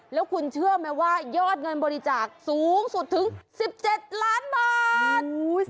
แล้วคุณเชื่อไหมว่ายอดเงินบริจาคสูงสุดถึง๑๗ล้านบาท